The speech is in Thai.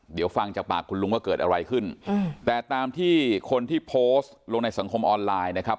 เดี๋ยวฟังจากปากคุณลุงว่าเกิดอะไรขึ้นแต่ตามที่คนที่โพสต์ลงในสังคมออนไลน์นะครับ